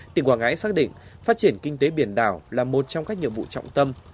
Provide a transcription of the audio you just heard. tỉnh quảng ngãi xác định phát triển kinh tế biển đảo là một trong các nhiệm vụ trọng tâm